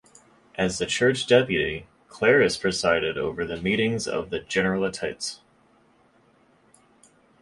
As the church deputy, Claris presided over the meetings of the "Generalitat".